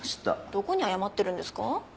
どこに謝ってるんですか？